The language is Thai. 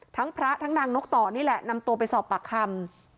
ทั้งพระทั้งนางนกต่อนี่แหละนำตัวไปสอบปากคำ